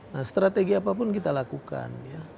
nah strategi apapun kita lakukan